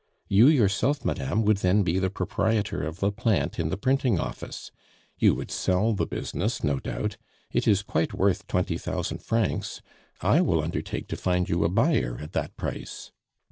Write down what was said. You yourself, madame, would then be the proprietor of the plant in the printing office. You would sell the business, no doubt; it is quite worth twenty thousand francs. I will undertake to find you a buyer at that price.